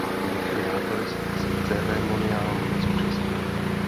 Roger Waters se ceremoniálu nezúčastnil.